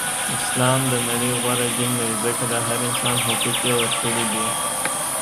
اسلام د نړی غوره دین دی ځکه د هر انسان حقوق یی ورکړی دی.